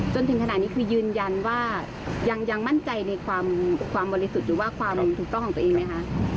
จนถึงขนาดนี้คือยืนยันว่ายังมั่นใจในความบริสุทธิ์หรือว่าความถูกต้องของตัวเองไหมคะ